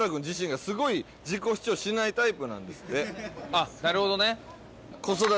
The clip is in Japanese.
あっなるほどね。